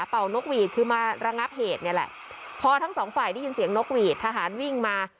นกหวีดคือมาระงับเหตุเนี่ยแหละพอทั้งสองฝ่ายได้ยินเสียงนกหวีดทหารวิ่งมา